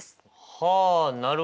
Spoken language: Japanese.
はあなるほど。